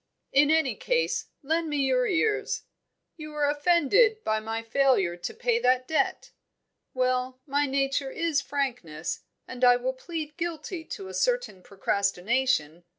"In any case, lend me your ears. You are offended by my failure to pay that debt. Well, my nature is frankness, and I will plead guilty to a certain procrastination.